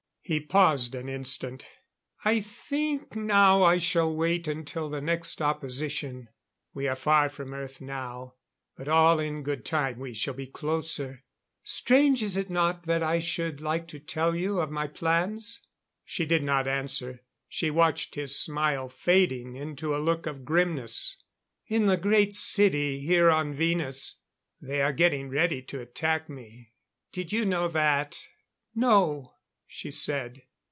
He paused an instant. "I think now I shall wait until the next opposition we are far from Earth now, but all in good time we shall be closer.... Strange is it not, that I should like to tell you my plans?" She did not answer; she watched his smile fading into a look of grimness. "In the Great City, here on Venus, they are getting ready to attack me. Did you know that?" "No," she said.